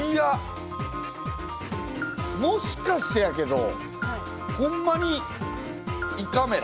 もしかしてやけど、ほんまに胃カメラ。